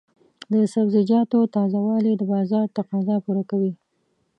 د سبزیجاتو تازه والي د بازار تقاضا پوره کوي.